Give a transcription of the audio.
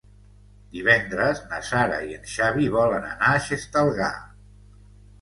Divendres na Sara i en Xavi volen anar a Xestalgar.